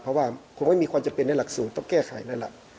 เพราะว่าคงไม่มีความจำเป็นในหลักสูตรต้องแก้ไขนั่นแหละ